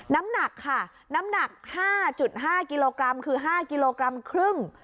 น้ำหนักค่ะน้ำหนัก๕๕กิโลกรัมคือ๕กิโลกรัมครึ่ง